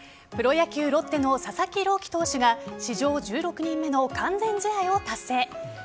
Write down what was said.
プロ野球ロッテの佐々木朗希投手が史上１６人目の完全試合を達成。